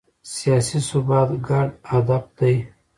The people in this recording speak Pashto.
سیاسي ثبات ګډ هدف دی